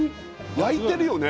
焼いてるよね